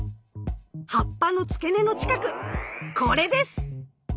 葉っぱの付け根の近くこれです！